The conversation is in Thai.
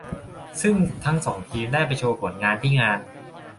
ซึ่งทั้งสองทีมได้ไปโชว์ผลงานที่งาน